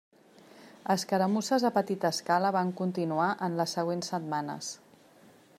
Escaramusses a petita escala van continuar en les següents setmanes.